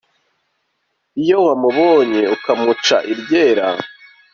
Iyo wamubonye ukamuca iryera